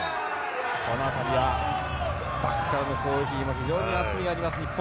この辺りはバックからの攻撃にも非常に厚みがあります、日本。